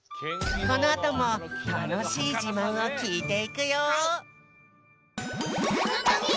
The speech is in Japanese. このあともたのしいじまんをきいていくよ！